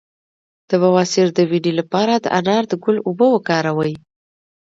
د بواسیر د وینې لپاره د انار د ګل اوبه وکاروئ